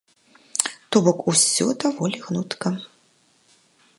То бок, усё даволі гнутка.